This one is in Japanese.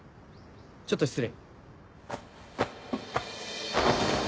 ちょっと失礼。